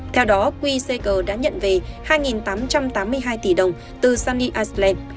theo đó quy sager đã nhận về hai tám trăm tám mươi hai tỷ đồng từ sunny island